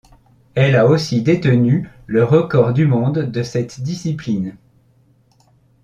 Elle a aussi détenu le record du monde de cette discipline.